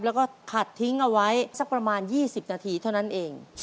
แล้วก็ขัดทิ้งเอาไว้สักประมาณ๒๐นาทีเท่านั้นเอง